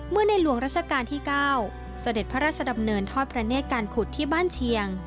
ในหลวงราชการที่๙เสด็จพระราชดำเนินทอดพระเนธการขุดที่บ้านเชียง